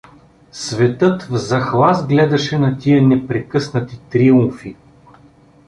Светът в захлас гледаше на тия непрекъснати триумфи.